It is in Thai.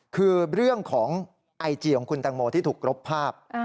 คือเรื่องของไอจีของคุณตังโมที่ถูกรบภาพ